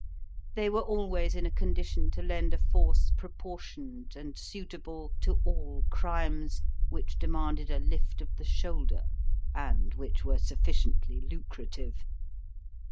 They were always in a condition to lend a force proportioned and suitable to all crimes which demanded a lift of the shoulder, and which were sufficiently lucrative.